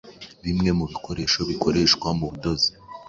Bimwe mu bikoresho bikoreshwa mu budozi